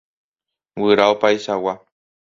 Guyra opaichagua.